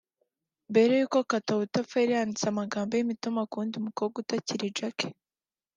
Mbere y’uko Katauti apfa yari yanditse amagambo y’imitoma ku wundi mukobwa utakiri Jacky